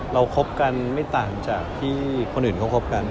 คบกันไม่ต่างจากที่คนอื่นเขาคบกัน